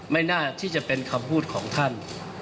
ไม่น่าที่จะเป็นคำพูดของท่าน